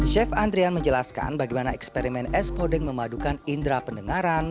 chef andrian menjelaskan bagaimana eksperimen es podeng memadukan indera pendengaran